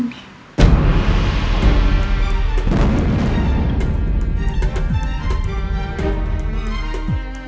mbak anin empat tahun yang lalu